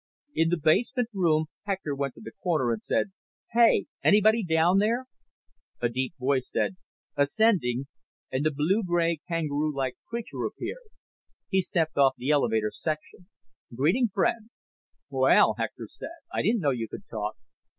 In the basement room, Hector went to the corner and said, "Hey! Anybody down there?" A deep voice said, "Ascending," and the blue gray kangaroo like creature appeared. He stepped off the elevator section. "Greetings, friends." "Well," Hector said, "I didn't know you could talk."